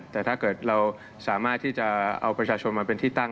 แต่ถ้าเกิดเราสามารถที่จะเอาประชาชนมาเป็นที่ตั้ง